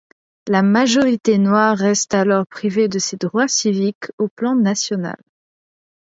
La majorité noire reste alors privée de ses droits civiques au plan national.